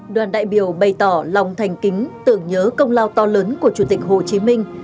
đoàn đại biểu bày tỏ lòng thành kính tưởng nhớ công lao to lớn của chủ tịch hồ chí minh